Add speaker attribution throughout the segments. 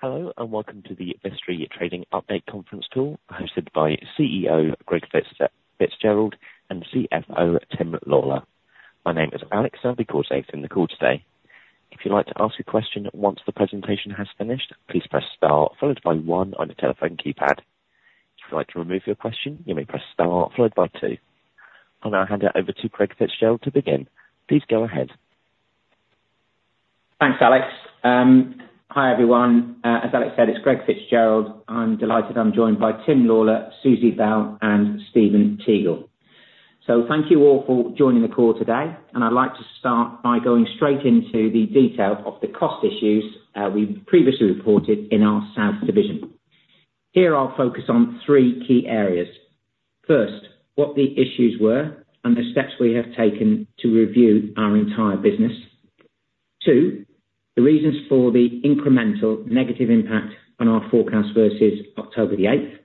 Speaker 1: Hello and welcome to the Vistry Trading Update conference call hosted by CEO Greg Fitzgerald and CFO Tim Lawlor. My name is Alex and I'll be your operator on the call today. If you'd like to ask a question once the presentation has finished, please press star followed by one on the telephone keypad. If you'd like to remove your question, you may press star followed by two. I'll now hand it over to Greg Fitzgerald to begin. Please go ahead.
Speaker 2: Thanks, Alex. Hi everyone. As Alex said, it's Greg Fitzgerald. I'm delighted. I'm joined by Tim Lawlor, Susie Bell and Stephen Teagle. Thank you all for joining the call today and I'd like to start by going straight into the detail of the cost issues we previously reported in our South Division. Here I'll focus on three key areas. First, what the issues were and the steps we have taken to review our entire business. Two, the reasons for the incremental negative impact on our forecast versus October 8th,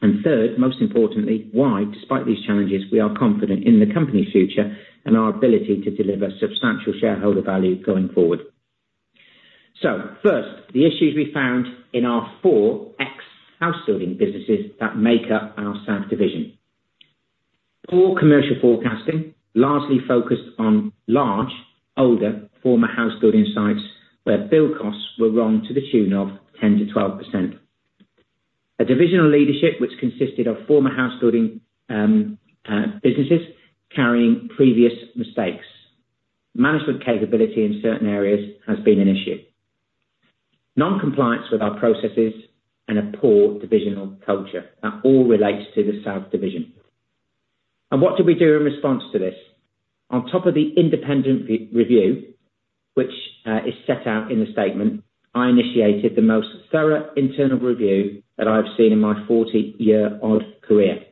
Speaker 2: and third, most importantly, why, despite these challenges, we are confident in the company's future and our ability to deliver substantial shareholder value going forward, so first, the issues we found in our ex-housebuilding businesses that make up our South Division. Poor commercial forecasting largely focused on large older former housebuilding sites where build costs were wrong to the tune of 10% to 12%. A divisional leadership which consisted of former housebuilding businesses carrying previous mistakes. Management capability in certain areas has been an issue, noncompliance with our processes, and a poor divisional culture that all relates to the South Division, and what did we do in response to this? On top of the independent review which is set out in the statement, I initiated the most thorough internal review that I have seen in my 40-year-old career.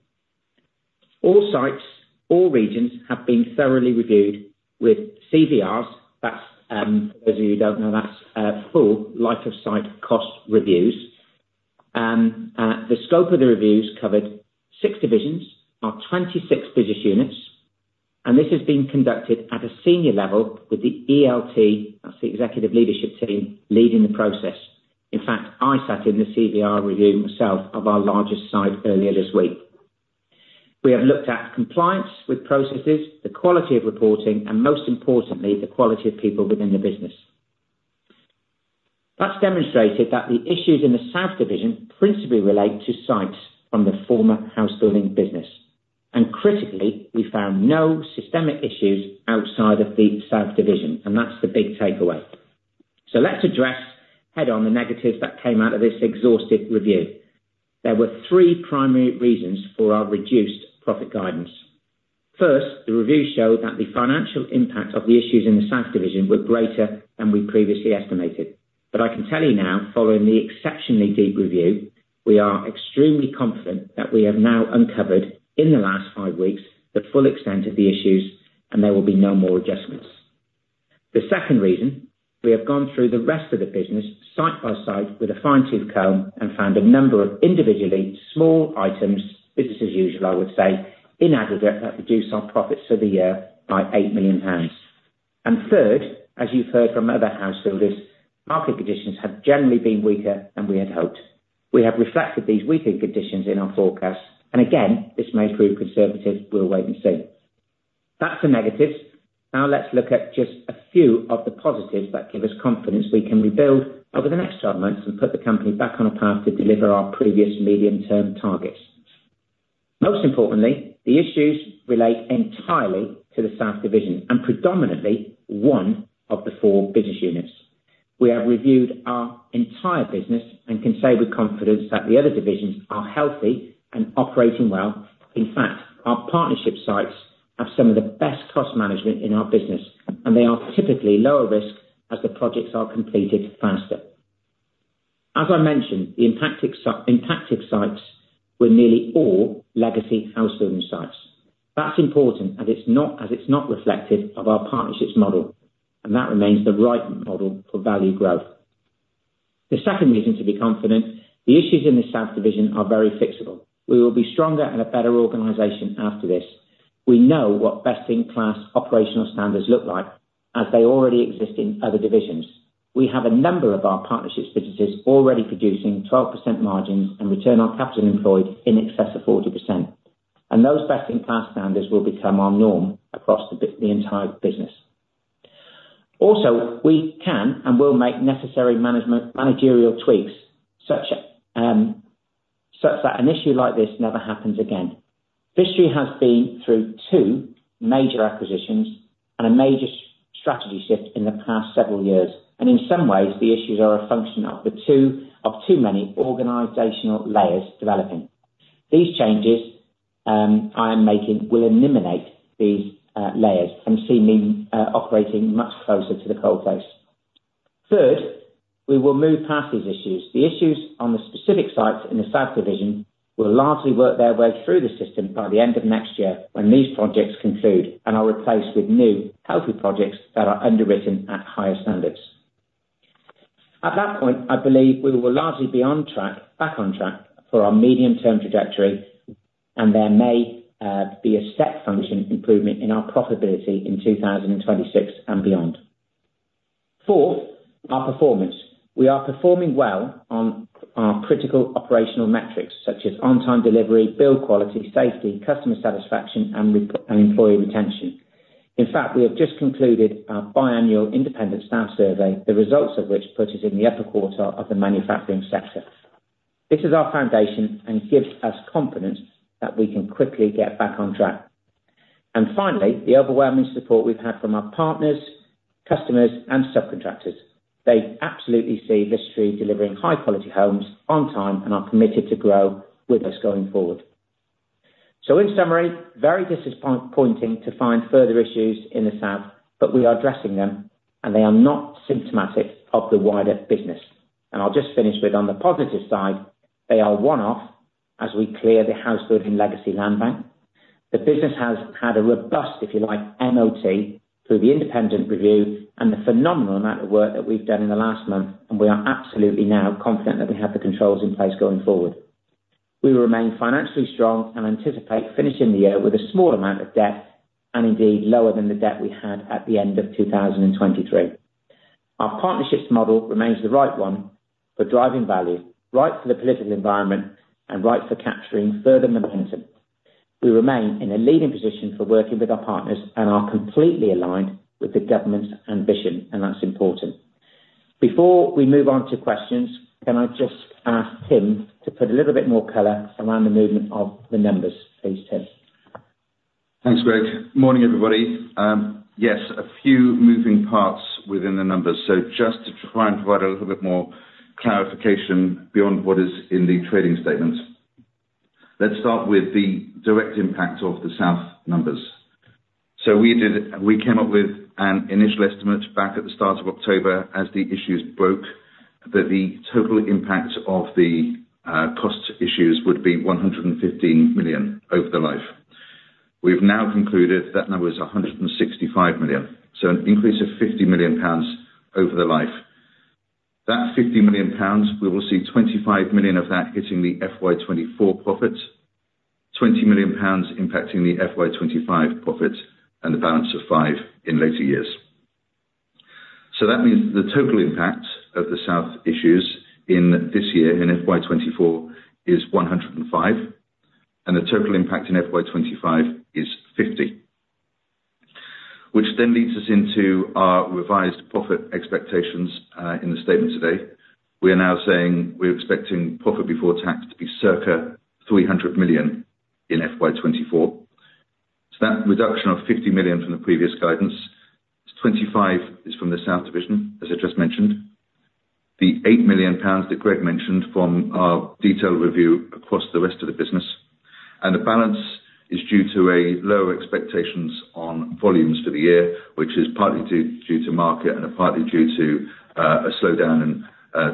Speaker 2: All sites, all regions have been thoroughly reviewed with CVRs. That's those of you who don't know that's full life of site cost reviews. The scope of the reviews covered six divisions of 26 business units and this has been conducted at a senior level with the ELT. That's the executive leadership team leading the process. In fact I sat in the CVR review myself of our largest site earlier this week. We have looked at compliance with processes, the quality of reporting and most importantly the quality of people within the business. That's demonstrated that the issues in the South Division principally relate to sites from the former housebuilding business. And critically we found no systemic issues outside of the South Division. And that's the big takeaway. So let's address head on the negatives that came out of this exhaustive review. There were three primary reasons for our reduced profit guidance. First, the review showed that the financial impact of the issues in the South Division were greater and we previously estimated. But I can tell you now, following the exceptionally deep review, we are extremely confident that we have now uncovered in the last five weeks the full extent of the issues and there will be no more adjustments. The second reason, we have gone through the rest of the business side by side with a fine tooth comb and found a number of individually small items business as usual, I would say in aggregate that reduce our profits for the year and by 8 million pounds. And third, as you've heard from other housebuilders, market conditions have generally been weaker than we had hoped. We have reflected these weakened conditions in our forecast and again this may prove conservative. We'll wait and see. That's the negatives. Now let's look at just a few of the positives that give us confidence we can rebuild over the next 12 months and put the company back on a path to deliver our previous medium term targets. Most importantly, the issues relate entirely to the South Division and predominantly one of the four business units. We have reviewed our entire business and can say with confidence that the other divisions are healthy and operating well. In fact, our partnership sites have some of the best cost management in our business and they are typically lower risk as the projects are completed faster. As I mentioned, the impacted sites were nearly all legacy house building sites. That's important as it's not reflective of our partnerships model and that remains the right model for value growth. The second reason to be confident the issues in the South Division are very fixable. We will be stronger and a better organization after this. We know what best in class operational standards look like as they already exist in other divisions. We have a number of our partnerships businesses already producing 12% margins and return on capital employed in excess of 40%. And those best in class standards will become our norm across the entire business. Also, we can and will make necessary management managerial tweaks such that an issue like this never happens again. Vistry has been through two major acquisitions and a major strategy shift in the past several years. And in some ways the issues are a function of too many organizational layers. Developing these changes I am making will eliminate these layers and see me operating much closer to the coal face. Third, we will move past these issues. The issues on the specific sites in the South Division will largely work their way through the system by the end of next year when these projects conclude and are replaced with new healthy projects that are underwritten at higher standards. At that point I believe we will largely be back on track for our medium-term trajectory and there may be a step function improvement in our profitability in 2026 and beyond. Fourth, our performance. We are performing well on our critical operational metrics such as on-time delivery, build quality, safety, customer satisfaction and employee retention. In fact, we have just concluded our biannual independent staff survey, the results of which put us in the upper quartile of the manufacturing sector. This is our foundation and gives us confidence that we can quickly get back on track. And finally, the overwhelming support we've had from our partners, customers and subcontractors. They absolutely see Vistry delivering high quality homes on time and are committed to grow with us going forward. So, in summary, very disappointing to find further issues in the south, but we are addressing them and they are not symptomatic of the wider business. And I'll just finish with, on the positive side, they are one off as we clear the house building Legacy Land Bank. The business has had a robust, if you like, MOT through the independent review and the phenomenal amount of work that we've done in the last month and we are absolutely now confident that we have the controls in place going forward. We remain financially strong and anticipate finishing the year with a small amount of debt and indeed lower than the debt we had at the end of 2023. Our partnerships model remains the right one for driving value, right for the political environment and right for capturing further momentum. We remain in a leading position for working with our partners and are completely aligned with the Government's ambition. and that's important. Before we move on to questions, can I just ask Tim to put a little bit more color around the movement of the numbers, please, Tim?
Speaker 3: Thanks, Greg. Morning everybody. Yes, a few moving parts within the numbers. So just to try and provide a little bit more clarification beyond what is in the trading statements, let's start with the direct impact of the south numbers. So we came up with an initial estimate back at the start of October as the issues broke, that the total impact of the cost issues would be 115 million over the life. We've now concluded that number is 165 million. So an increase of 50 million pounds over the life, that 50 million pounds, we will see 25 million of that hitting the FY24 profits, 20 million pounds impacting the FY 2025 profit and the balance of 5 in later years. So that means the total impact of the South Division issues in this year in FY 2024 is 105 million and the total impact in FY 2025 is 50 million, which then leads us into our revised profit expectations. In the statement today, we are now saying we're expecting profit before tax to be circa 300 million in FY 2024. So that reduction of 50 million from the previous guidance 25 is from the South Division. As I just mentioned, the 8 million pounds that Greg mentioned from our detailed review across the rest of the business and the balance is due to a lower expectations on volumes for the year, which is partly due to market and partly due to a slowdown in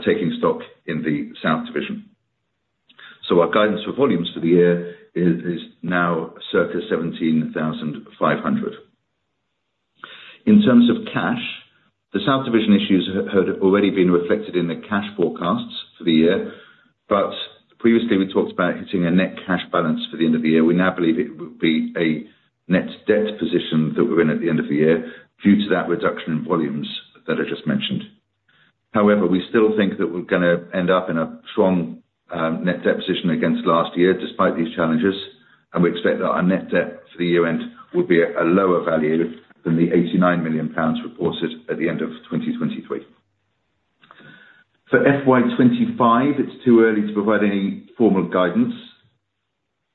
Speaker 3: taking stock in the South Division. So our guidance for volumes for the year is now circa 17,500. In terms of cash. The South Division issues had already been reflected in the cash forecasts for the year, but previously we talked about hitting a net cash balance for the end of the year. We now believe it will be a net debt position that we're in at the end of the year due to that reduction in volumes that I just mentioned. However, we still think that we're going to end up in a strong net debt position against last year despite these challenges, and we expect that our net debt for the year end will be a lower value than the 89 million pounds reported at the end of 2023. For FY 2025, it's too early to provide any formal guidance.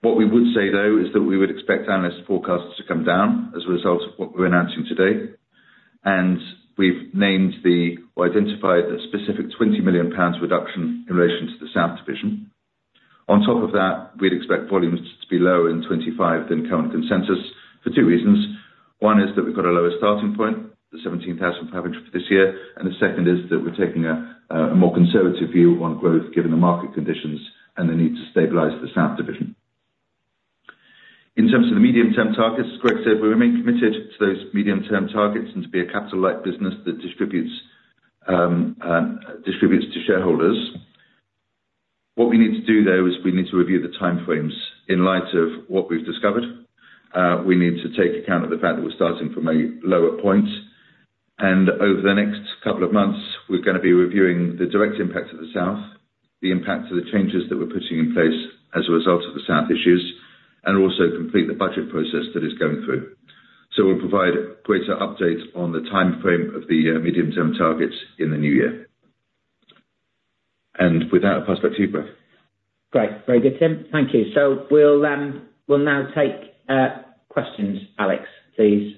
Speaker 3: What we would say though is that we would expect analyst forecasts to come down as a result of what we're announcing today and we've named or identified the specific 20 million pounds reduction in relation to the South Division. On top of that, we'd expect volumes to be lower in 25 than current consensus for two reasons. One is that we've got a lower starting point, the 17,500 for this year. And the second is that we're taking a more conservative view on growth given the market conditions and the need to stabilize the South Division in terms of the medium term targets. As Greg said, we remain committed to those medium term targets and to be a capital light business that distributes to shareholders. What we need to do though is we need to review the time frames in light of what we've discovered. We need to take account of the fact that we're starting from a lower point and over the next couple of months we're going to be reviewing the direct impact of the south, the impact of the changes that we're putting in place as a result of the south issues and also complete the budget process that it's going through so we'll provide greater updates on the time frame of the medium term targets in the new year, and with that I'll pass back to you Greg
Speaker 2: Great. Very good, Tim. Thank you. So we'll now take questions. Alex, please.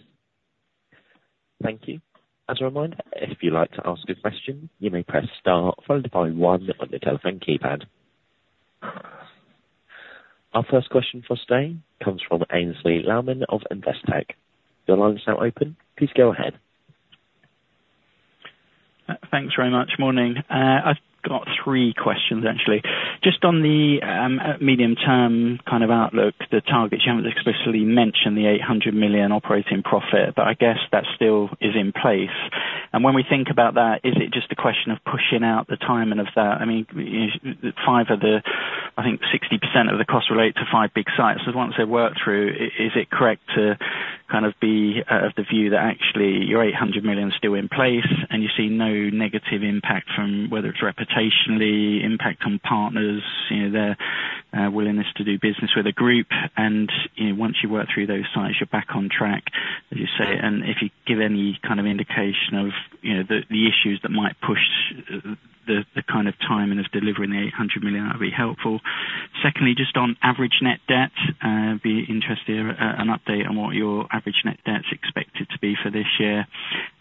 Speaker 1: Thank you. As a reminder, if you like to ask a question, you may press star followed by one on the telephone keypad. Our first question for today comes from Aynsley Lammin of Investec. Your line is now open. Please go ahead.
Speaker 4: Thanks very much. Morning. I've got three questions actually just on the medium term kind of outlook, the targets. You haven't explicitly mentioned the 800 million operating profit but I guess that still is in place. And when we think about that, is it just a question of pushing out the timing of that? I mean 5 of the. I think 60% of the cost relate to five big sites once they work through. Is it correct to kind of be of the view that actually your 800 million is still in place and you see no negative impact from whether it's reputational impact on partners, their willingness to do business with a group and once you work through those sites you're back on track, as you say. And if you give any kind of indication of the issues that might push the kind of timing of delivering the 800 million that would be helpful. Secondly, just on average net debt, be interested an update on what your average net debt is expected to be for this year.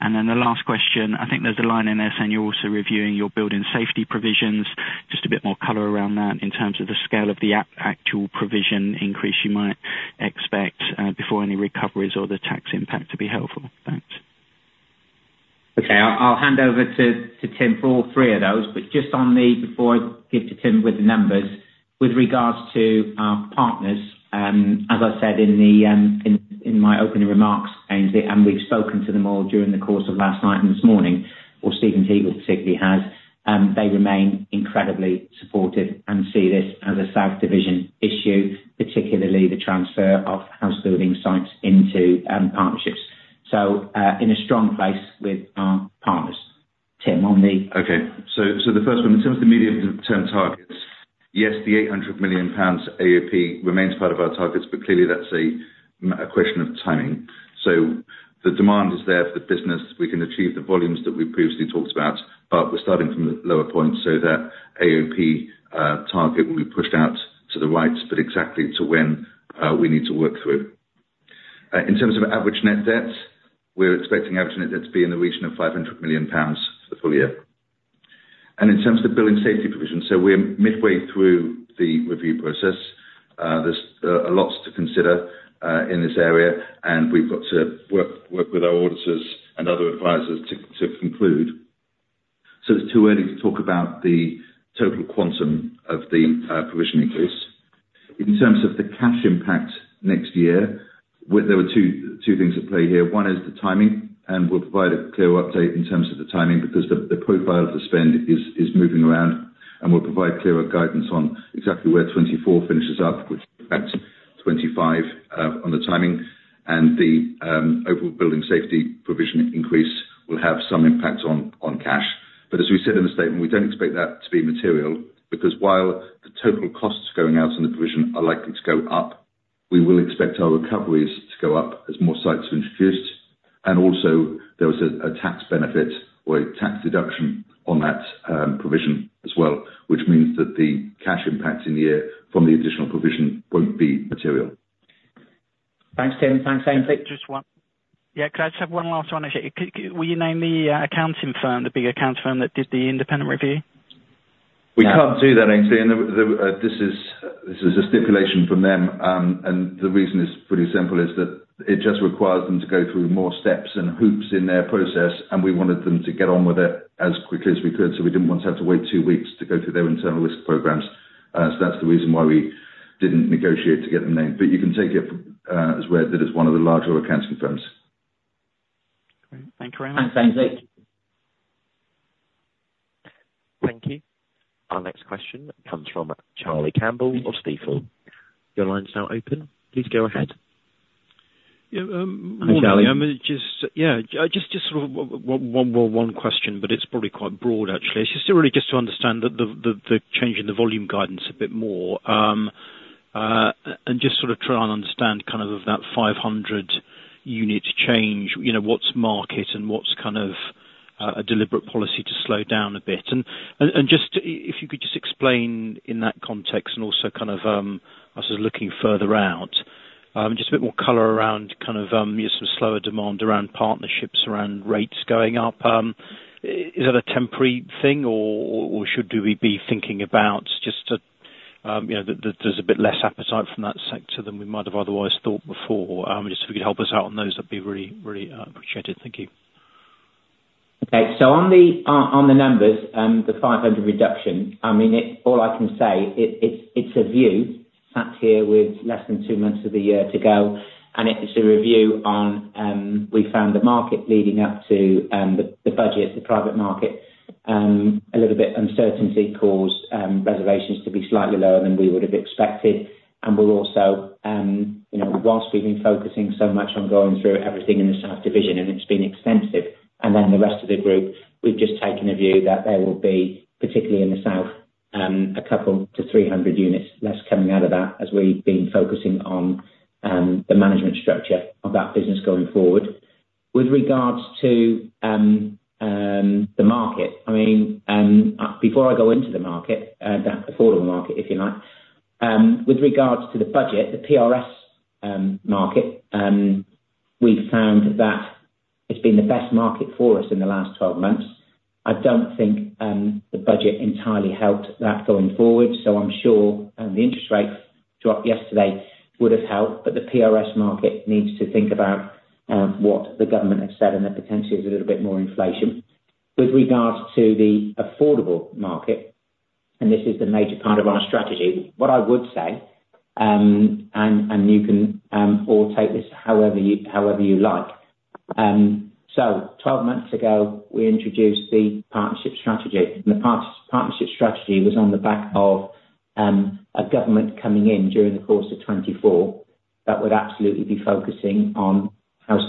Speaker 4: And then the last question. I think there's a line in there saying you're also reviewing your building safety provisions. Just a bit more color around that in terms of the scale of the actual provision increase you might expect before any recoveries or the tax impact to be helpful. Thanks.
Speaker 2: Okay, I'll hand over to Tim for all three of those. But just on that before I give to Tim with the numbers with regards to our partners, as I said in my opening remarks, Aynsley, and we've spoken to them all during the course of last night and this morning, and Stephen Teagle particularly has. They remain incredibly supportive and see this as a South Division issue, particularly the transfer of house building sites into partnerships. So in a strong place with our partners. Tim on that.
Speaker 3: Okay, so the first. One, in terms of the medium-term targets, yes, the 800 million pounds AOP remains part of our targets, but clearly that's a question of timing. The demand is there for the business. We can achieve the volumes that we previously talked about. We're starting from the lower point, so that AOP target will be pushed out to the right, but exactly to when we need to work through in terms of average net debt. We're expecting average net debt to be in the region of 500 million pounds for the full year. In terms of building safety provisions, we're midway through the review process. There's lots to consider in this area, and we've got to work with our auditors and other advisers to conclude. It's too early to talk about the total quantum of the provision increase in terms of the cash impact next year. There were two things at play here. One is the timing, and we'll provide a clear update in terms of the timing because the profile of the spend is moving around and we'll provide clearer guidance on exactly where 2024 finishes up, which 2025 on the timing. And the overall building safety provision increase will have some impact on cash. But as we said in the statement, we don't expect that to be material because while the total costs going out in the provision are likely to go up, we will expect our recoveries to go up as more sites are introduced. And also there was a tax benefit or a tax deduction on that provision as well, which means that the cash impact in the year from the additional provision won't be material.
Speaker 4: Thanks, Tim. Thanks, and just one. Yeah, could I just have one last one? Will you name the accounting firm, the big accounting firm that did the independent review?
Speaker 3: We can't do that, Aynsley. And this is a stipulation from them, and the reason is pretty simple, is that it just requires them to go through more steps and hoops in their process and we wanted them to get on with it as quickly as we could. So we didn't want to have to wait two weeks to go through their internal risk programs. So that's the reason why we didn't negotiate to get them named. But you can take it as read. That is one of the larger accounting firms.
Speaker 4: Great. Thank you very much. Thanks.
Speaker 1: Thank you. Our next question comes from Charlie Campbell of Stifel. Your line's now open. Please go ahead.
Speaker 5: Just sort of one question, but it's probably quite broad, actually, just to understand the change in the volume guidance a bit more and just sort of try and understand kind of that 500 unit change, you know, what's market and what's kind of a deliberate policy to slow down a bit and just if you could just explain in that context and also kind of looking further out, just a bit more color around kind of some slower demand around partnerships, around rates going up. Is that a temporary thing or should we be thinking about just, you know, there's a bit less appetite from that sector than we might have otherwise thought before. Just if you could help us out on those, that'd be really, really appreciated. Thank you.
Speaker 2: Okay, so on the numbers, the 500 reduction, I mean, all I can say it's a view sat here with less than two months of the year to go and it's a review on. We found the market leading up to the budget, the private market, a little bit of uncertainty caused reservations to be slightly lower than we would have expected. And we're also, whilst we've been focusing so much on going through everything in the South Division and it's been extensive and then the rest of the group, we've just taken a view that there will be, particularly in the South, a couple to 300 units less coming out of that as we've been focusing on the management structure of that business going forward. With regards to the market, I mean, before I go into the market, that affordable market, if you like, with regards to the budget, the PRS market, we found that it's been the best market for us in the last 12 months. I don't think the budget entirely helped that going forward. So I'm sure the interest rate dropped yesterday would have helped. But the PRS market needs to think about what the government has said and there potentially is a little bit more inflation with regards to the affordable market. And this is the major part of our strategy, what I would say, and you can all take this however you like. So 12 months ago we introduced the partnership strategy. And the partnership strategy was on the back of a government coming in during the course of 2024 that would absolutely be focusing on house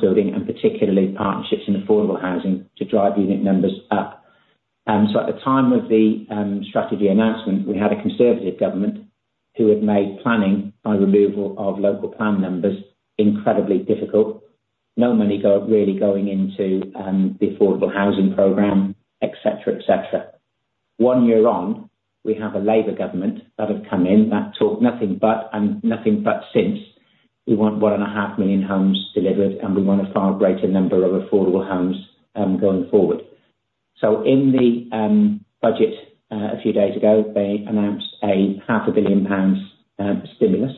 Speaker 2: building and particularly partnerships in affordable housing to drive unit numbers up. So at the time of the strategy announcement, we had a Conservative government who had made planning by removal of local plan numbers incredibly difficult. No money really going into the affordable housing program, etc., etc. One year on, we have a Labour government that have come in that talk nothing but and nothing but since we want 1.5 million homes delivered and we want a far greater number of affordable homes going forward. So in the budget a few days ago they announced a 500 million pounds stimulus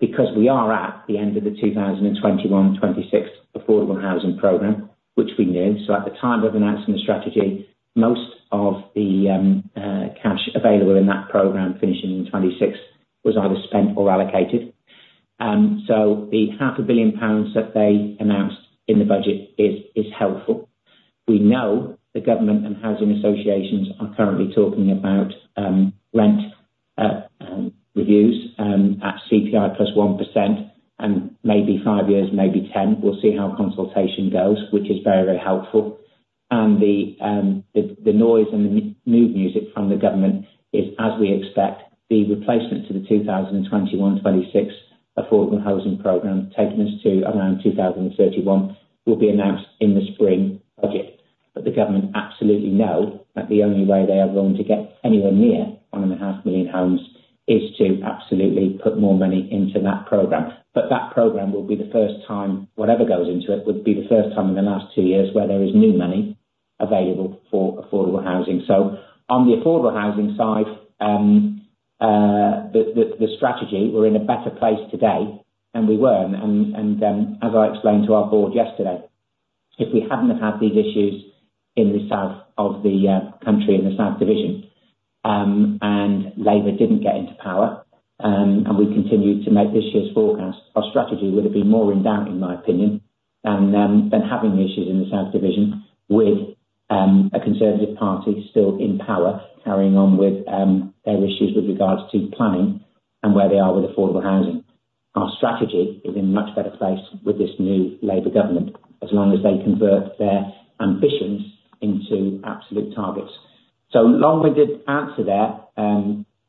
Speaker 2: because we are at the end of the 2021-26 affordable housing program, which we knew. At the time of announcing the strategy, most of the cash available in that program finishing 2026 was either spent or allocated. The 500 million pounds that they announced in the budget is helpful. We know the government and housing associations are currently talking about rent reviews at CPI plus 1% and maybe five years, maybe 10. We'll see how consultation goes, which is very, very helpful. The noise and the mood music from the government is as we expect. The replacement to the 2021-26 affordable housing program, taking us to around 2031, will be announced in the spring budget. The government absolutely know that the only way they are going to get anywhere near 1.5 million homes is to absolutely put more money into that program. But that program will be the first time whatever goes into it would be the first time in the last two years where there is new money available for affordable housing. So on the affordable housing side, the strategy. We're in a better place today than we were, and as I explained to our board yesterday, if we hadn't had these issues in the south of the country, in the South Division, and Labour didn't get into power and we continued to make this year's forecast, our strategy would have been more in doubt, in my opinion, than having issues in the South Division. With a Conservative Party still in power carrying on with their issues with regards to planning and where they are with affordable housing, our strategy is in a much better place with this new Labour government as long as they convert their ambitions into absolute targets. Long-winded answer there,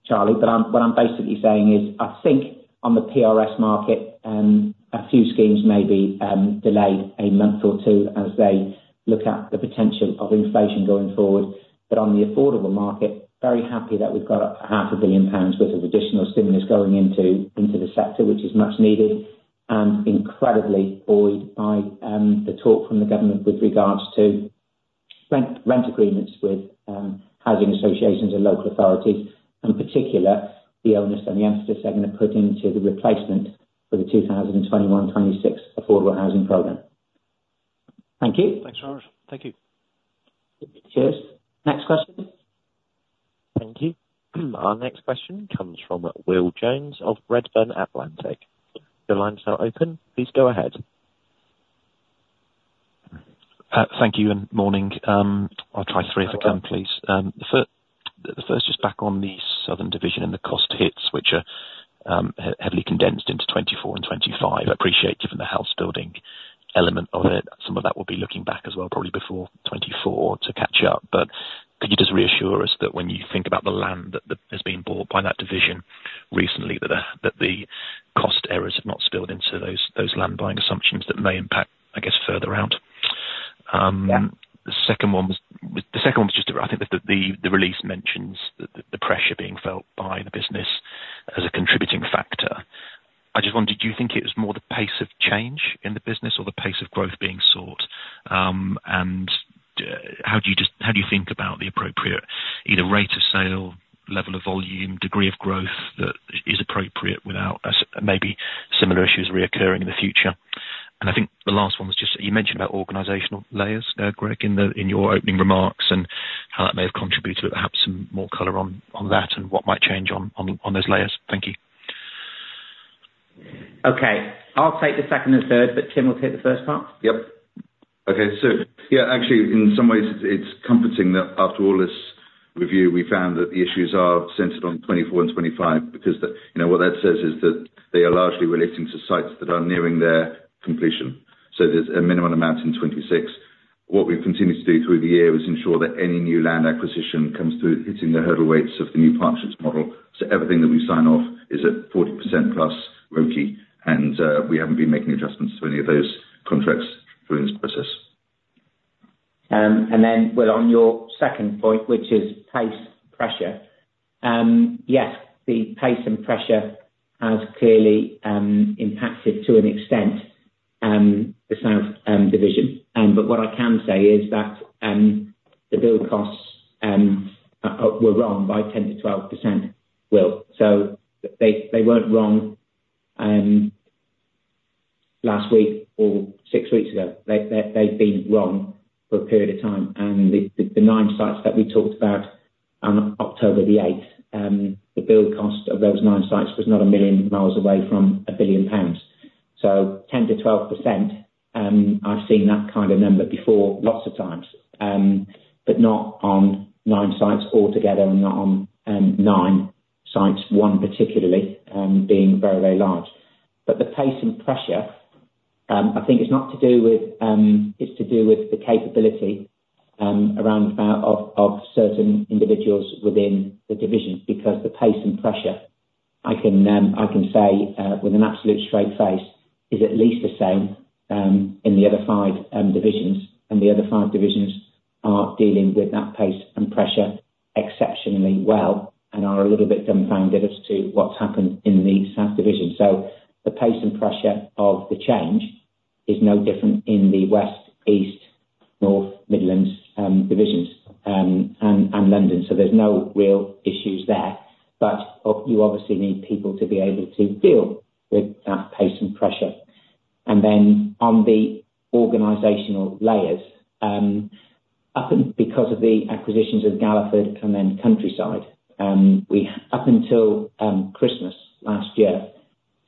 Speaker 2: Charlie. But what I'm basically saying is, I think on the PRS market a few schemes may be delayed a month or two as they look at the potential of inflation going forward. But on the affordable market, very happy that we've got 500 million pounds worth of additional stimulus going into the sector which is much needed and incredibly buoyed by the talk from the government with regards to rent agreements with housing associations and local authorities. In particular, the ones and the affordable segment are put into the replacement for the 2021-26 affordable housing program. Thank you.
Speaker 5: Thank you.
Speaker 2: Cheers. Next question.
Speaker 1: Thank you. Our next question comes from Will Jones of Redburn Atlantic. The line is now open. Please go ahead.
Speaker 6: Thank you. And morning. I'll try three if I can please. The first, just back on the South Division and the cost hits which are heavily condensed into 2024 and 2025. I appreciate, given the house building element of it, some of that will be looking back as well, probably before 2024 to catch up. But could you just reassure us that when you think about the land that has been bought by that division recently, that the cost errors have not spilled into those land buying assumptions that may impact, I guess, further out. The second one was just, I think that the release mentions the pressure being felt by the business as a contributing factor. I just wondered, do you think it was more the pace of change in the business or the pace of growth being sought? And how do you think about the appropriate either rate of sale, level of volume, degree of growth that is appropriate without maybe similar issues recurring in the future? And I think the last one was just you mentioned about organizational layers, Greg, in your opening remarks, and how that may have contributed perhaps some more color on that and what might change on those layers. Thank you.
Speaker 2: Okay, I'll take the second and third, but Tim will take the first part.
Speaker 3: Yep. Okay. So, yeah, actually, in some ways it's comforting that after all this review, we found that the issues are centered on 2024 and 2025, because what that says is that they are largely relating to sites that are nearing their completion. So there's a minimum amount in 2026. What we've continued to do through the year is ensure that any new land acquisition comes through hitting the hurdle rates of the new partnerships model. So everything that we sign off is at 40% plus. And we haven't been making adjustments to any of those contracts during this process.
Speaker 2: On your second point, which is pace pressure, yes, the pace and pressure has clearly impacted to an extent the South Division. But what I can say is that the build costs were wrong by 10% to 12%. So they weren't wrong last week or six weeks ago, they've been wrong for a period of time. The nine sites that we talked about on October 8th, the build cost of those nine sites was not a million miles away from 1 billion pounds. So 10% to12%, I've seen that kind of number before, lots of times, but not on nine sites altogether. And not on nine sites, one particularly being very, very large. But the pace and pressure, I think, is not to do with. It is to do with the capability around about of certain individuals within the division. Because the pace and pressure, I can say with an absolute straight face, is at least the same in the other five divisions. And the other five divisions are dealing with that pace and pressure exceptionally well and are a little bit dumbfounded as to what's happened in the South division. So the pace and pressure of the change is no different in the West, East, North, Midlands divisions and London. So there's no real issues there. But you obviously need people to be able to deal with that pace and pressure. Then on the organizational layers, because of the acquisitions of Galliford and then Countryside, up until Christmas last year,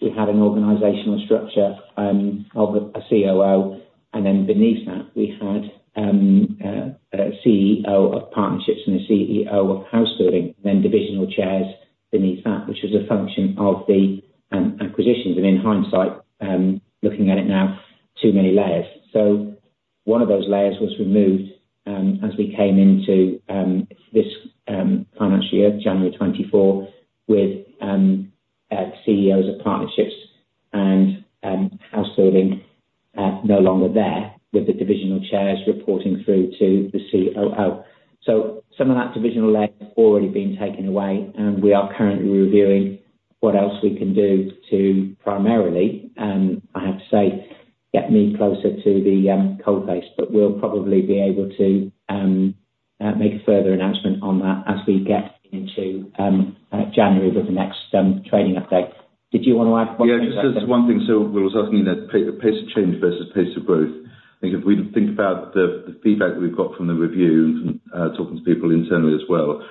Speaker 2: we had an organizational structure of a COO and then beneath that we had a CEO of partnerships and the CEO of housebuilding, then divisional chairs beneath that which was a function of the acquisitions and in hindsight looking at it now, too many layers. One of those layers was removed as we came into this financial year January 2024 with CEOs of partnerships and housebuilding no longer there with the divisional chairs reporting through to the COO. So, some of that divisional-led already been taken away and we are currently reviewing what else we can do to primarily, I have to say, get me closer to the cost base but we'll probably be able to make a further announcement on that as we get into January with the next trading update. Did you want to add?
Speaker 3: Yeah, just as one thing. So Will was asking that pace of change versus pace of growth. I think if we think about the feedback that we've got from the review, talking to people internally as well,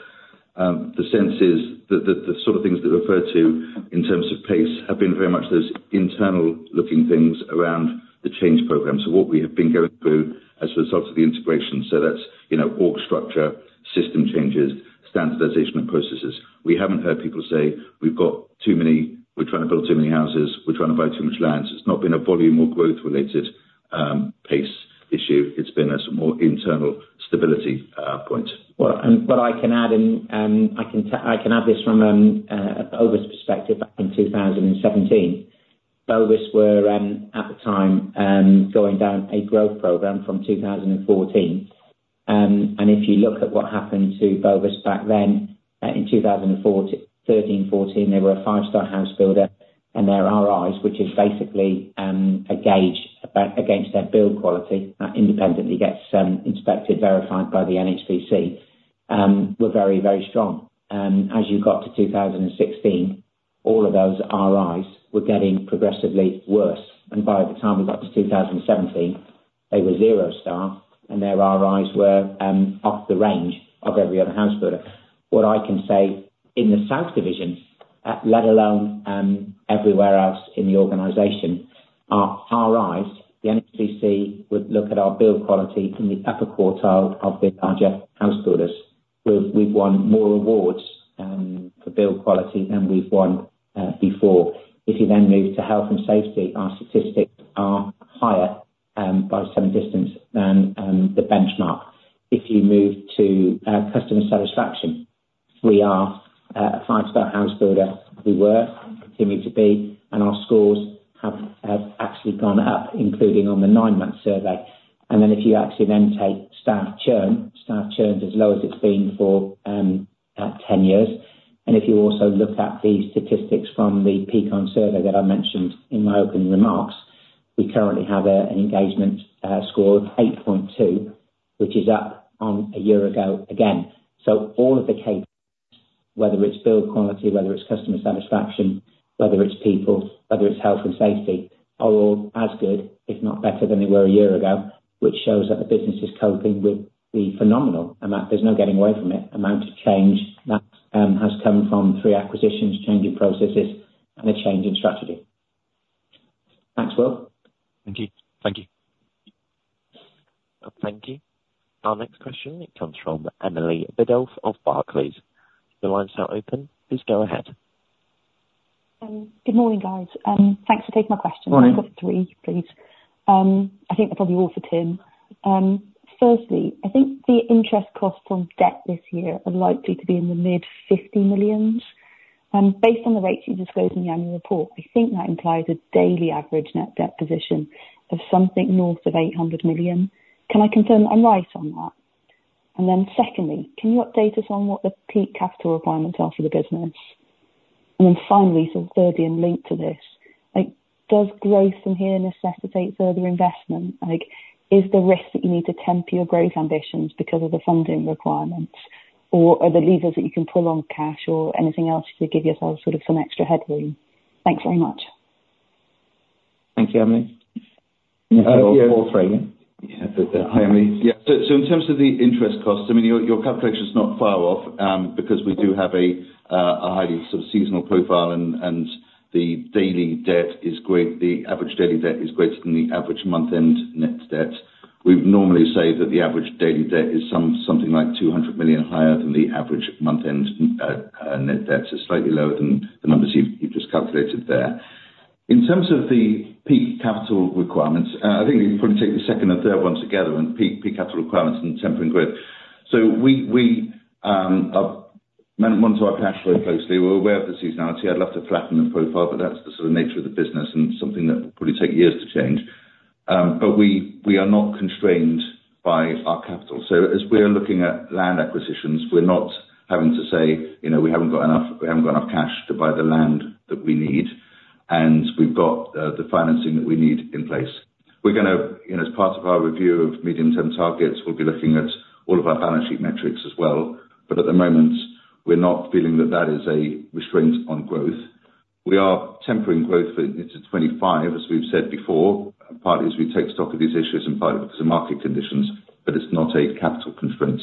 Speaker 3: the sense is that the sort of things that refer to in terms of pace have been very much those internal looking things around the change program. So what we have been going through as a result of the integration, so that's org structure, system changes, standardization of processes. We haven't heard people say we've got too many, we're trying to build too many houses, we're trying to buy too much land. It's not been a volume or growth related pace issue, it's been a more internal stability point.
Speaker 2: Well I can add this from a Bovis perspective. Back in 2017 Bovis were at the time going down a growth program from 2014 and if you look at what happened to Bovis back then in 2014 they were a five star house builder and their RIs, which is basically a gauge against their build quality that independently gets inspected, verified by the NHBC, were very, very strong. As you got to 2016 all of those RIs were getting progressively worse and by the time we got to 2017 they were zero star and their RIs were off the range of every other house builder. What I can say in the South Division, let alone everywhere else in the organization are high rise. The NHBC would look at our build quality in the upper quartile of the larger house builders. We've won more awards for build quality than we've won before. If you then move to health and safety, our statistics are higher by some distance than the benchmark. If you move to customer satisfaction, we are a five-star house builder. We continue to be and our scores have actually gone up including on the nine-month survey. And then if you actually then take staff churn. Staff churn is as low as it's been for 10 years. And if you also look at the statistics from the Peakon survey that I mentioned in my opening remarks, we currently have an engagement score of 8.2, which is up on a year ago. Again, so all of the cadence, whether it's build quality, whether it's customer satisfaction, whether it's people, whether it's health and safety, are all as good, if not better than they were a year ago, which shows that the business is coping with the phenomenal amount. There's no getting away from it: amount of change that has come from three acquisitions, change in processes and a change in strategy.
Speaker 3: Thanks, Will.
Speaker 6: Thank you. Thank you.
Speaker 1: Thank you. Our next question comes from Emily Biddulph of Barclays. The line's now open. Please go ahead.
Speaker 7: Good morning, guys. Thanks for taking my question. I've got three, please. I think they're probably all for Tim. Firstly, I think the interest costs on debt this year are likely to be in the mid-50 millions, based on the rates you disclosed in the annual report. I think that implies a daily average net debt position of something north of 8 million. Can I confirm I'm right on that? And then secondly, can you update us on what the peak capital requirements are for the business? And then finally, so thirdly, and linked to this, does growth in here necessitate further investment? Is the risk that you need to temper your growth ambitions because of the funding requirements or are the levers that you can pull on cash or anything else to give yourself sort of some extra headroom? Thanks very much.
Speaker 2: Thank you, Emily.
Speaker 3: Hi, Emily. Yes. So in terms of the interest costs, I mean, your calculation is not far off because we do have a highly sort of seasonal profile. And the daily debt is greater. The average daily debt is greater than the average month end net debt. We normally say that the average daily debt is something like 200 million higher than the average month end net debt system. Slightly lower than the numbers you just calculated there. In terms of the peak capital requirements, I think we take the second and third ones together and peak capital requirements and tempering growth. So we monitor our cash flow closely. We're aware of the seasonality. I'd love to flatten the profile, but that's the sort of nature of the business and something that will probably take years to change. But we are not constrained by our capital. So as we are looking at land acquisitions, we're not having to say, you know, we haven't got enough, we haven't got enough cash to buy the land that we need and we've got the financing that we need in place. We're going to, you know, as part of our review of medium term targets, we'll be looking at all of our balance sheet metrics as well. But at the moment we're not feeling that that is a restraint on growth. We are tempering growth into 2025 as we've said before, partly as we take stock of these issues in parts of market conditions, but it's not a capital constraint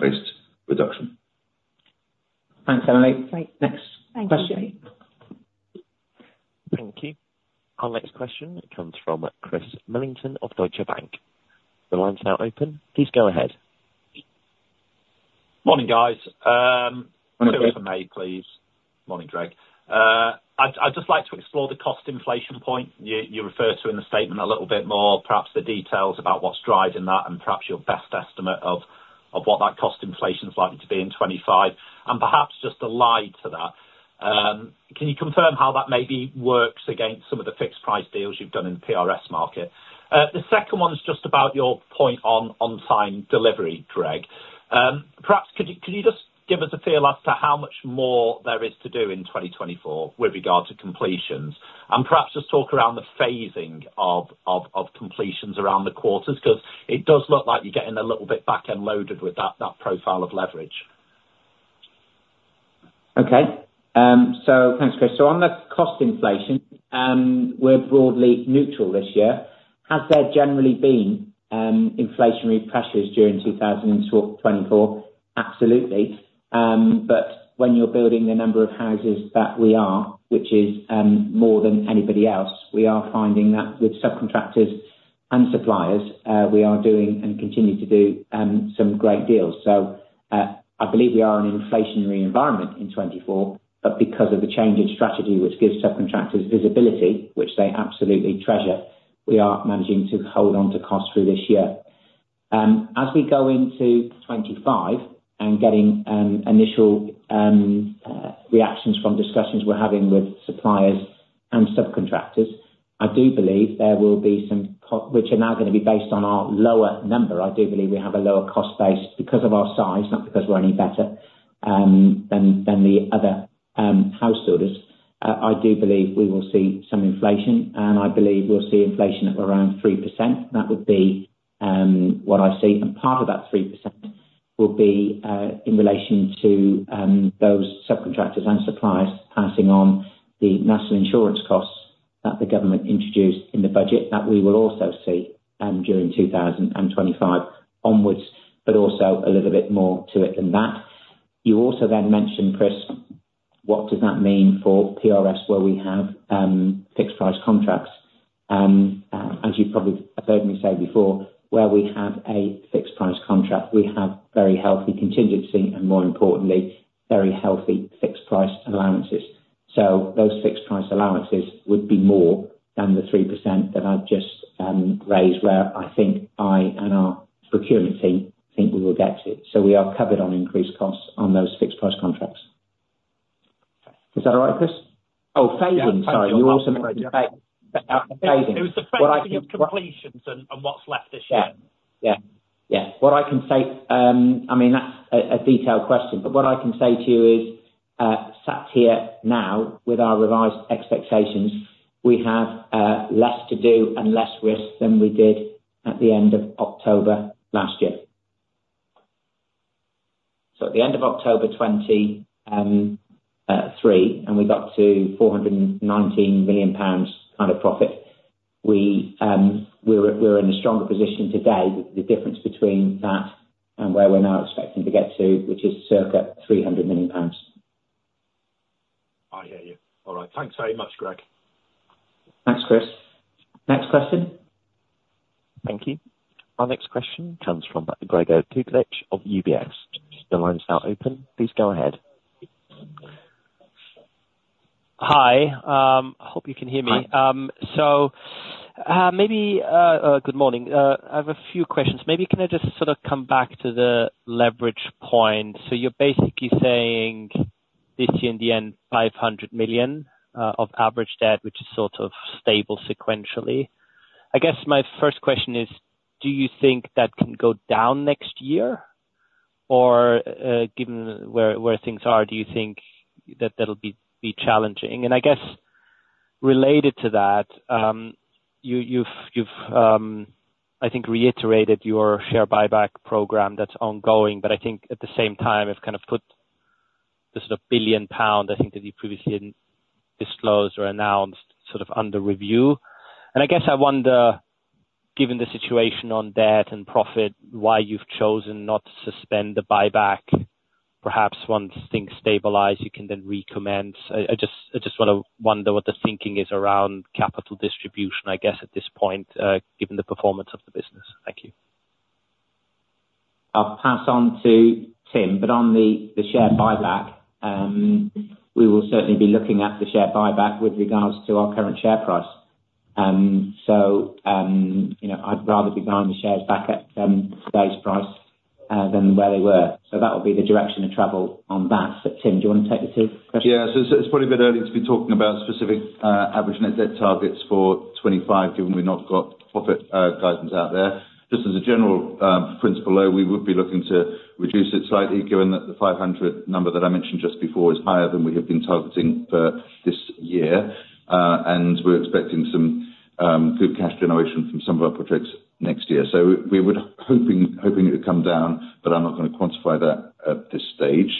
Speaker 3: based reduction.
Speaker 2: Thanks Emily. Great. Next question.
Speaker 1: Thank you. Our next question comes from Chris Millington of Deutsche Bank. The line's now open. Please go ahead.
Speaker 8: Morning guys. Please. Morning, Greg. I'd just like to explore the cost inflation point you refer to in the statement a little bit more, perhaps the details about what's driving that and perhaps your best estimate of what that cost inflation is likely to be in 2025 and perhaps just a little to that. Can you confirm how that maybe works against some of the fixed price deals you've done in the PRS market? The second one is just about your point on time delivery. Greg, perhaps could you just give us a feel as to how much more there is to do in 2024 with regard to completions and perhaps just talk around the phasing of completions around the quarters because it does look like you're getting a little bit back-end loaded with that profile of leverage.
Speaker 2: Okay, so thanks Chris. So on the cost inflation, we're broadly neutral this year. Has there generally been inflationary pressures during 2024? Absolutely. But when you're building the number of houses that we are, which is more than anybody else, we are finding that with subcontractors and suppliers we are doing and continue to do some great deals. So I believe we are in an inflationary environment in 2024. But because of the change in strategy, which gives subcontractors visibility, which they absolutely treasure, we are managing to hold on to costs through this year as we go into 2025 and getting initial reactions from discussions we're having with suppliers and subcontractors. I do believe there will be some which are now going to be based on our lower number. I do believe we have a lower cost base because of our size, not because we're any better than the other householders. I do believe we will see some inflation and I believe we'll see inflation at around 3%. That would be what I see. And part of that 3% will be in relation to those subcontractors and suppliers passing on the national insurance costs that the government introduced in the budget that we will also see during 2025 onwards, but also a little bit more to it than that. You also then mentioned, Chris, what does that mean for PRS where we have fixed price contracts, as you probably heard me say before, where we have a fixed price contract, we have very healthy contingency and more importantly, very healthy fixed price allowances. So those fixed price allowances would be more than the 3% that I just raised, where I think I and our procurement team think we will get to it. So we are covered on increased costs on those fixed price contracts. Is that all right, Chris? Oh, phasing, sorry.
Speaker 8: You also mentioned it was the first thing of completions and what's left this year?
Speaker 2: Yeah, yeah. What I can say, I mean, that's a detailed question. But what I can say to you is sat here now with our revised expectations, we have less to do and less risk than we did at the end of October last year. So at the end of October 2023 and we got to 419 million pounds kind of profit. We're in a stronger position today with the difference between that and where we're now expecting to get to, which is circa 300 million pounds.
Speaker 8: I hear you. All right, thanks very much, Greg.
Speaker 2: Thanks, Chris. Next question.
Speaker 1: Thank you. Our next question comes from Gregor Kuglitsch of UBS. The line is now open. Please go ahead.
Speaker 9: Hi, I hope you can hear me. So maybe. Good morning. I have a few questions. Maybe can I just sort of come back to the leverage point? So you're basically saying this year in the end, 500 million of average debt, which is sort of stable sequentially. I guess my first question is, do you think that can go down next year or given where things are, do you think that'll be challenging? And I guess related to that, you've, I think reiterated your share buyback program that's ongoing, but I think at the same time have kind of put the sort of 1 billion pound, I think that you previously disclosed or announced sort of under review. I guess, I wonder, given the situation on debt and profit, why you've chosen not to suspend the buyback. Perhaps once things stabilize, you can then recommence. I just want to wonder what the thinking is around capital distribution, I guess at this point, given the performance of the business. Thank you.
Speaker 2: I'll pass on to Tim. On the share buyback, we will certainly be looking at the share buyback with regards to our current share price. I'd rather be buying the shares back at today's price than where they were. That will be the direction of travel on that. Tim, do you want to take the two questions?
Speaker 3: Yes. It's probably a bit early to be talking about specific average net debt targets for 2025 given we've not got profit guidance out there. Just as a general principle though, we would be looking to reduce it slightly given that the 500 number that I mentioned just before is higher than we have been targeting for this year. And we're expecting some good cash generation from some of our projects next year. So we would hoping it would come down, but I'm not going to quantify that at this stage.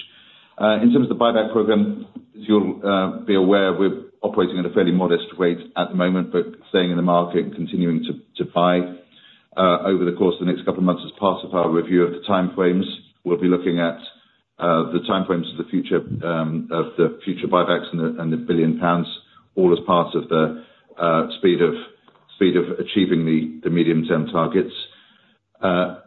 Speaker 3: In terms of the buyback program, as you'll be aware, we're operating at a fairly modest rate at the moment, but staying in the market and continuing to buy over the course the next couple of months. As part of our review of the time frames, we'll be looking at the time frames of the future, of the future buybacks and the 1 billion pounds, all as part of the speed of achieving the medium term targets.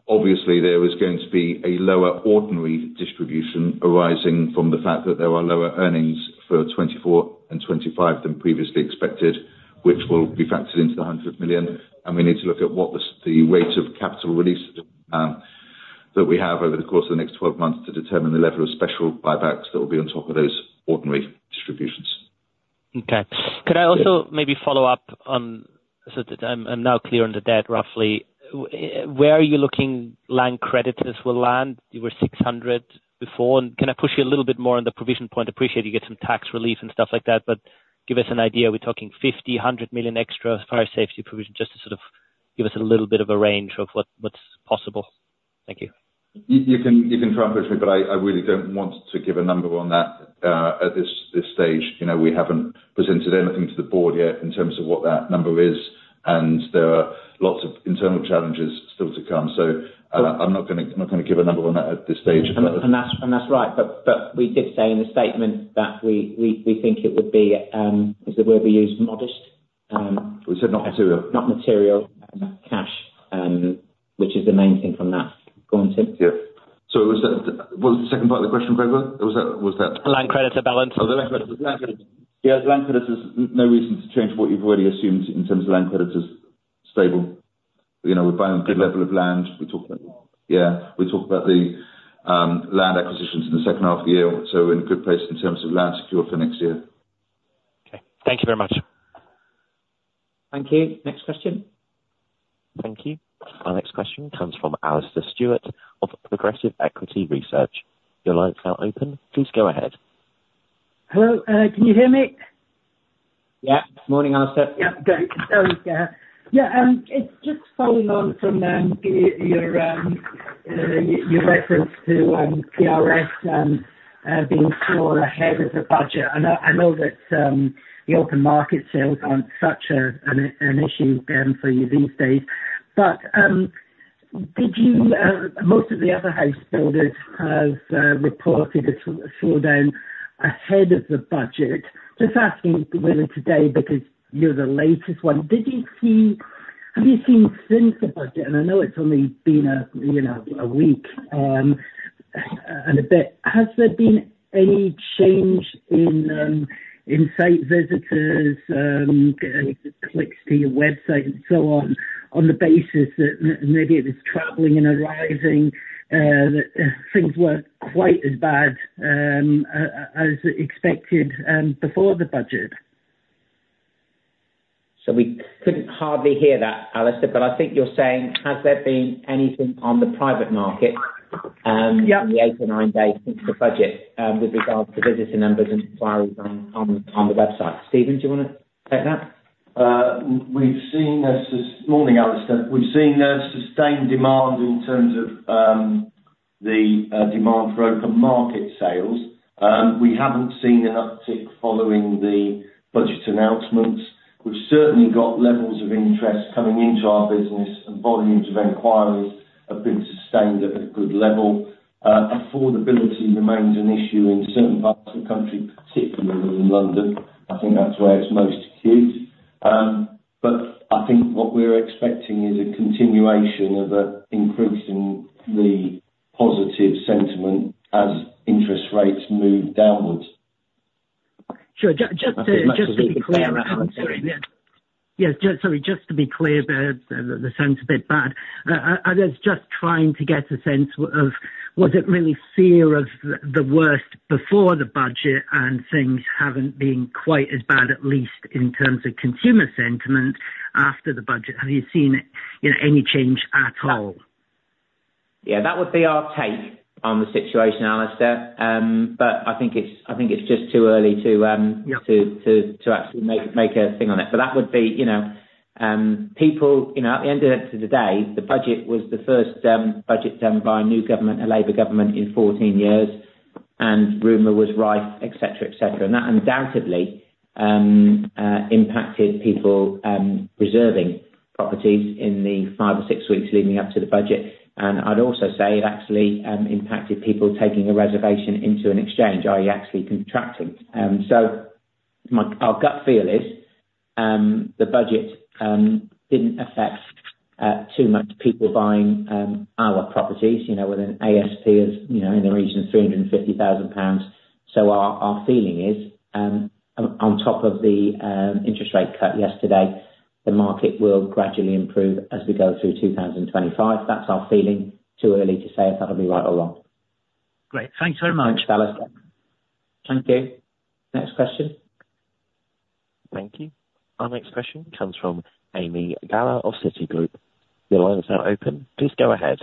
Speaker 3: Obviously there is going to be a lower ordinary distribution arising from the fact that there are lower earnings from FY 2024 and 2025 than previously expected, which will be factored into the 100 million, and we need to look at what the weight of capital release that we have over the course of the next 12 months to determine the level of special buybacks that will be on top of those ordinary distributions.
Speaker 9: Okay, could I also maybe follow up on so that I'm now clear on the debt? Roughly where are you looking? Land creditors will land. You were 600 million before and can I push you a little bit more on the provision point? Appreciate you get some tax relief and stuff like that, but give us an idea. We're talking 50 to 100 million extra fire safety provision just to sort of give us a little bit of a range of what's possible. Thank you.
Speaker 3: You can try and push me, but I really don't want to give a number on that at this stage. You know, we haven't presented anything to the board yet in terms of what that number is and there are lots of internal challenges still to come so, and I'm not going to give a number on that at this stage.
Speaker 2: That's right. We did say in the statement that we think it would be is the word we used. Modest.
Speaker 3: We said not material.
Speaker 2: Not material cash, which is the main thing from that. Go on, Tim.
Speaker 3: So what was the second part of the question, Gregor?
Speaker 9: Was that land creditor balance?
Speaker 3: Yeah, land creditors. No reason to change what you've already assumed in terms of land creditors stable, you know, we're buying a good level of land. We talk about the land acquisitions in the second half of the year. So in a good place in terms of land secured for next year.
Speaker 9: Okay, thank you very much.
Speaker 2: Thank you. Next question.
Speaker 1: Thank you. Our next question comes from Alastair Stewart of Progressive Equity Research. Your line is now open. Please go ahead.
Speaker 10: Hello, can you hear me?
Speaker 2: Yeah. Morning, Alastair.
Speaker 10: It's just following on from your reference to PRS being so ahead of the budget. I know that the open market sales aren't such an issue for you these days, but most of the other house builders have reported a slowdown ahead of the budget. Just asking why, man, today because you're the latest one. Have you seen since the budget? And I know it's only been, you know, a week and a bit. Has there been any change in site visitors, clicks to your website and so on on the basis that maybe it was traveling and arising that things were quite as bad as expected before the budget?
Speaker 2: So we couldn't hardly hear that, Alastair, but I think you're saying, has there been anything on the private market in the eight or nine days since the budget with regards to visiting numbers and inquiries on the website? Stephen, do you want to take that.
Speaker 11: We've seen this morning, Alastair, we've seen sustained demand in terms of the demand for open market sales. We haven't seen an uptick following the budget announcements. We've certainly got levels of interest coming. Into our business and volumes of inquiries. Have been sustained at a good level. Affordability remains an issue in certain parts of the country, particularly in London. I think that's where it's most acute. But I think what we're expecting is a continuation of an increase in the positive sentiment as interest rates move downwards.
Speaker 10: Sure. Just to be clearer. Yes. Sorry, just to be clear, it sounds a bit bad. I was just trying to get a sense of was it really fear of the worst before the budget? And things haven't been quite as bad, at least in terms of consumer sentiment. After the budget, have you seen any change at all?
Speaker 2: Yeah, that would be our take on the situation, Alastair, but I think it's just too early to actually make anything on it. But that would be, you know, people, you know, at the end of the day, the budget was the first budget done by a new government, a Labour government in 14 years and rumor was rife, etc., etc. And that undoubtedly impacted people purchasing properties in the five or six weeks leading up to the budget. And I'd also say it actually impacted people taking a reservation into an exchange that is actually contracting. So our gut feel is the budget didn't affect too much people buying our properties, you know, with an ASP in the region, 350,000 pounds. So our feeling is on top of the interest rate cut yesterday, the market will gradually improve as we go through 2025. That's our feeling. Too early to say if that'll be right or wrong.
Speaker 10: Great. Thanks very much, Alastair.
Speaker 2: Thank you. Next question.
Speaker 1: Thank you. Our next question comes from Ami Galla of Citigroup. The line is now open. Please go ahead.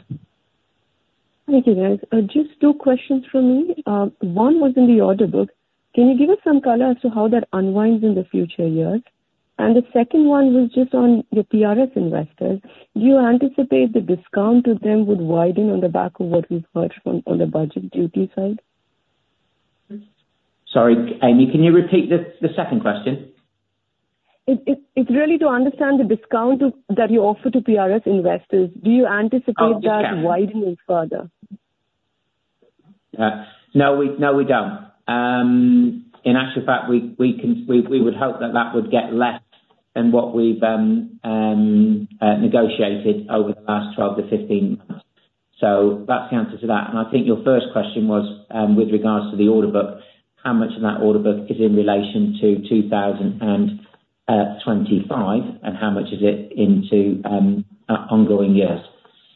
Speaker 12: Thank you, guys. Just two questions for me. One was in the order book. Can you give us some color as to how that unwinds in the future years? And the second one was just on your PRS investors. Do you anticipate the discount to them would widen on the back of what we've heard from on the budget duty side?
Speaker 2: Sorry, Ami, can you repeat the second question?
Speaker 12: It's really to understand the discount that you offer to PRS investors. Do you anticipate that widening further?
Speaker 2: No, we don't. In actual fact, we would hope that that would get less than what we've negotiated over the last 12 to 15 months. So that's the answer to that. And I think your first question was with regards to the order book, how much of that order book is in relation to 2025 and how much is it into ongoing years?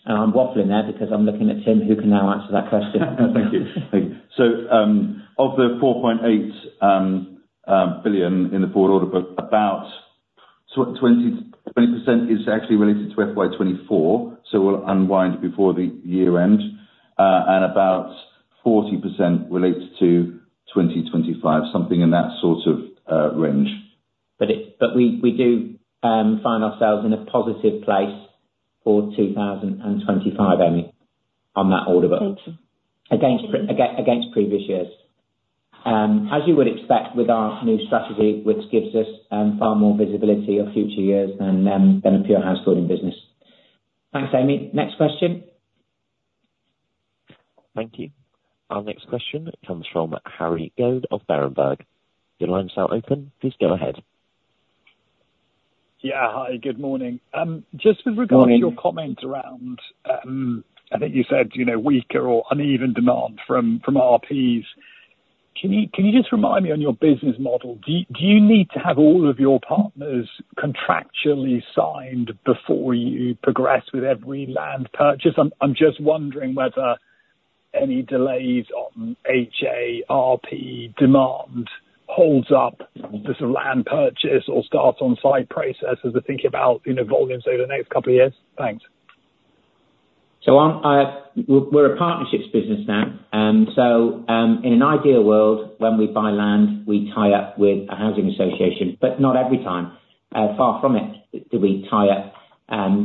Speaker 2: I'm waffling there because I'm looking at Tim, who can now answer that question.
Speaker 3: Thank you. So, of the 4.8 billion in the forward order book, about 20% is actually related to FY 2024. So we'll unwind before the year end. And about 40% relates to 2025, something in that sort of range.
Speaker 2: But we do find ourselves in a positive place for 2025, Ami, on that order book, against previous years, as you would expect with our new strategy, which gives us far more visibility of future years than a pure house building business. Thanks, Ami. Next question.
Speaker 1: Thank you. Our next question comes from Harry Goad of Berenberg. Your lines are open. Please go ahead.
Speaker 13: Yeah, hi, good morning. Just with regard to your comment around. I think you said, you know, weaker. Or uneven demand from RPs. Can you just remind me on your business model, do you need to have all of your partners contractually signed before you progress with every land purchase? I'm just wondering whether any delays on HA/RP demand holds up this land purchase or start on site process as we're thinking about volumes over the next couple of years. Thanks.
Speaker 2: So we're a partnerships business now. So in an ideal world, when we buy land, we tie up with a housing association. But not every time, far from it do we tie up.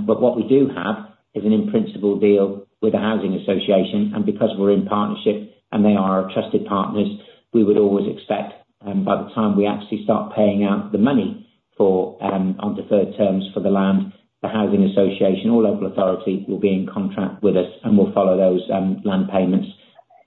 Speaker 2: But what we do have is an in principle deal with the housing association. And because we're in partnership and they are trusted partners, we would always expect by the time we actually start paying out the money for, on deferred terms for the land, the housing association or local authority will be in contract with us and we'll follow those land payments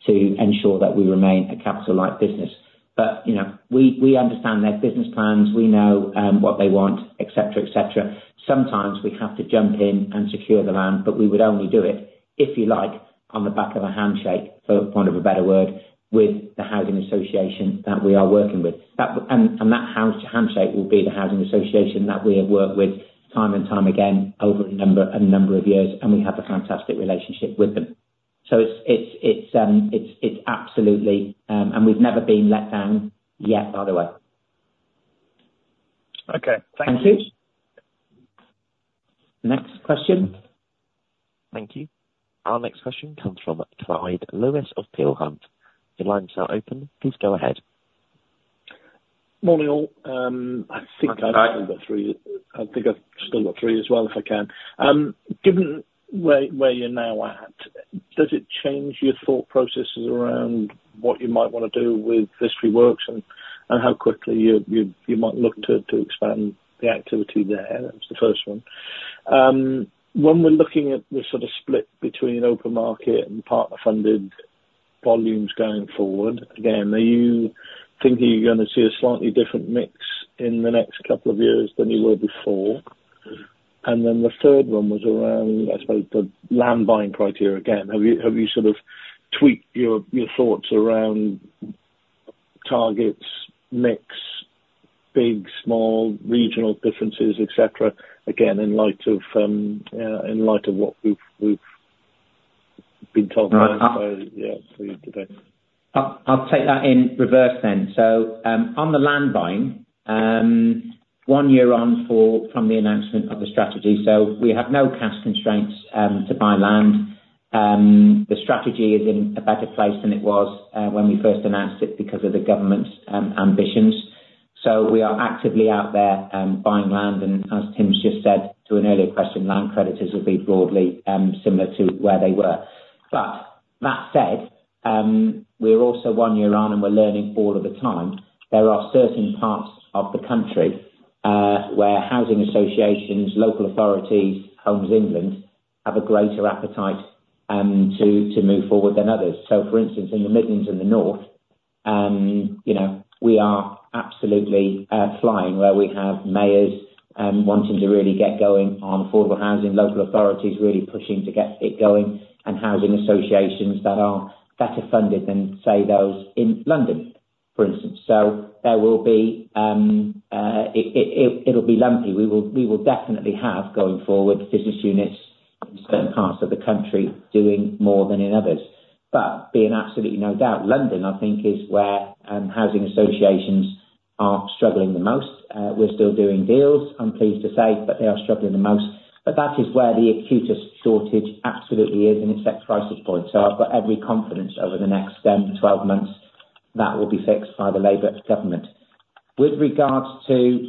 Speaker 2: to ensure that we remain a capital light business. But you know, we understand their business plans, we know what they want, etc., etc. Sometimes we have to jump in and secure the land, but we would only do it if you like, on the back of a handshake, for want of a better word, with the housing association that we are working with. And that handshake will be with the housing association that we have worked with time and time again over a number of years. And we have a fantastic relationship with them. So it's absolutely. And we've never been let down yet, by the way.
Speaker 13: Okay, thank you.
Speaker 2: Next question.
Speaker 1: Thank you. Our next question comes from Clyde Lewis of Peel Hunt. Your lines are open. Please go ahead.
Speaker 14: Morning all. I think I've still got three as well, if I can. Given where you're now at, does it change your thought processes around what you might want to do with the Vistry Works and how quickly you might look to expand the activity there? That's the first one. When we're looking at the sort of split between open market and partner funded volumes going forward, again, are you thinking you're going to see a slightly different mix in the next couple of years than you were before? And then the third one was around, I suppose, the land buying criteria. Again, have you sort of tweaked your thoughts around tenure mix, big, small, regional differences, etc., again, in light of what we've been told.
Speaker 2: I'll take that in reverse then. So, on the land buying, one year on from the announcement of the strategy, so we have no cash constraints to buy land. The strategy is in a better place than it was when we first announced it because of the government's ambitions. So we are actively out there buying land and as Tim's just said to an earlier question, land creditors will be broadly similar to where they were. But that said, we're also one year on and we're learning all of the time. There are certain parts of the country where housing associations, local authorities, Homes England have a greater appetite to move forward than others. So for instance in the Midlands and the north, you know, we are absolutely flying where we have mayors wanting to really get going on affordable housing, local authorities really pushing to get it going and housing associations that are better funded than say those in London for instance. So there will be, it'll be lumpy. We will definitely have going forward business units in certain parts of the country doing more than in others. But there's absolutely no doubt. London, I think, is where housing associations are struggling the most. We're still doing deals, I'm pleased to say, but they are struggling the most. But that is where the acutest shortage absolutely is and it's that price point. So I've got every confidence over the next 10 to 12 months that will be fixed by the Labour government with regards to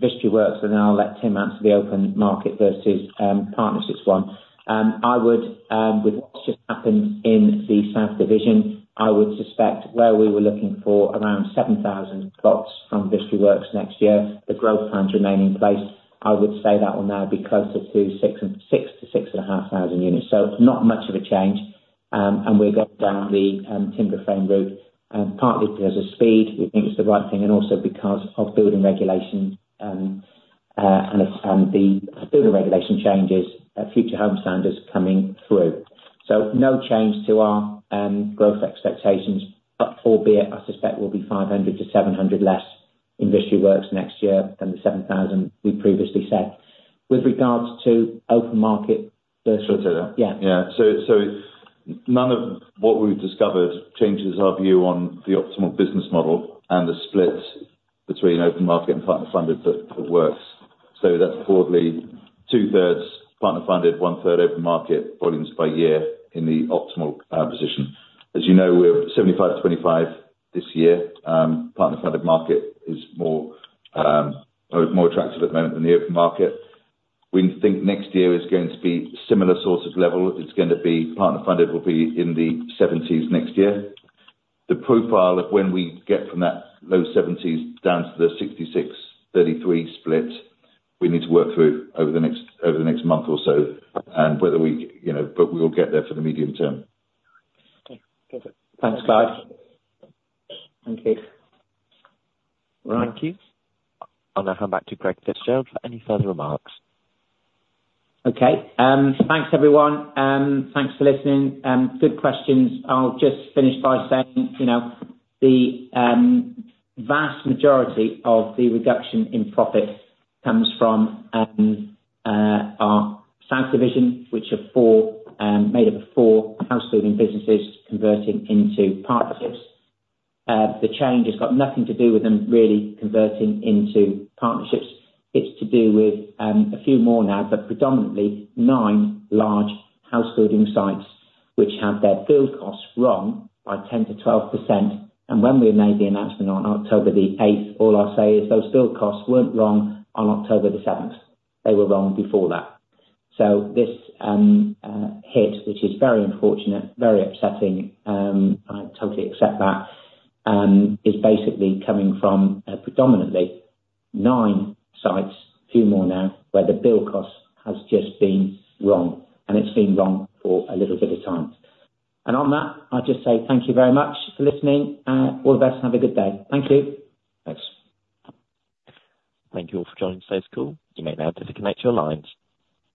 Speaker 2: Vistry Works and I'll let Tim answer the open market versus partnerships one. I would. With what's just happened in the South Division, I would suspect where we were looking for around 7,000 plots from Vistry Works next year. The growth plans remain in place. I would say that will now be closer to six to six and a half thousand units. So not much of a change. And we're going down the timber frame route partly because of speed. We think it's the right thing and also because of building regulation and the building regulation changes, Future Homes Standard coming through. So no change to our growth expectations but albeit I suspect will be 500 to 700 less in Vistry Works next year than the 7,000 we previously said with regards to open market.
Speaker 3: Should I say that?
Speaker 2: Yeah, yeah.
Speaker 3: None of what we've discovered changes our view on the optimal business model and the split between open market and partner-funded that works. That's broadly two-thirds partner-funded, one-third open market volumes by year in the optimal position. As you know, we're 75 to 25 this year. Partner-funded market is more attractive at the moment than the open market. We think next year is going to be similar sort of level. It's going to be partner-funded will be in the 70s next year. The profile of when we get from that low 70s down to the 66 to 33 split we need to work through over the next month or so and whether we, you know. But we will get there for the medium term.
Speaker 2: Thanks, Clyde.
Speaker 14: Thank you.
Speaker 1: Thank you. I'll now hand back to Greg Fitzgerald for any further remarks.
Speaker 2: Okay, thanks everyone. Thanks for listening. Good questions. I'll just finish by saying you know the vast majority of the reduction in profit comes from our South Division which is made up of four housebuilding businesses converting into partnerships. The change has got nothing to do with them really converting into partnerships. It's to do with a few more now but predominantly nine large housebuilding sites which had their build costs wrong by 10% to 12%. And when we made the announcement on October 8th all I'll say is those build costs weren't wrong on October 7th. They were wrong before that. So this hit, which is very unfortunate, very upsetting, I totally accept that, is basically coming from predominantly nine sites, few more now, where the build cost has just been wrong and it's been wrong for a little bit of time. And on that I'll just say thank you very much for listening. All the best. Have a good day. Thank you.
Speaker 3: Thanks.
Speaker 1: Thank you all for joining today's call. You may now disconnect your lines.